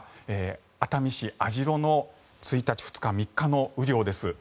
熱海市網代の１日、２日、３日の雨量です。